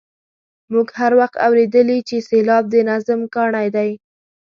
موږ هر وخت اورېدلي چې سېلاب د نظم کاڼی دی.